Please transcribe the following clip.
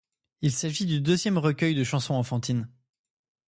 Il s'agit du deuxième recueil de chansons enfantines.